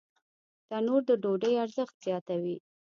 تنور د ډوډۍ ارزښت زیاتوي